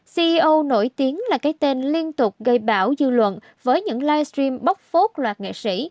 ceo nổi tiếng là cái tên liên tục gây bão dư luận với những livestream bốc phốt loạt nghệ sĩ